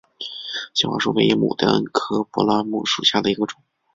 金花树为野牡丹科柏拉木属下的一个种。